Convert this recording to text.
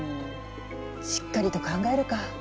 しっかりと考えるか。